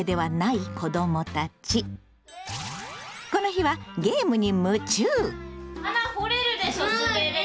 この日はゲームに夢中！